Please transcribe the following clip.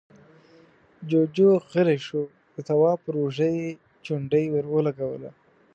جُوجُو غلی شو، د تواب پر اوږه يې چونډۍ ور ولګوله: